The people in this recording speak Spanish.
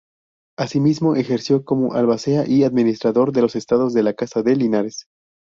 Asimismo ejerció como albacea y administrador de los estados de la casa de Linares.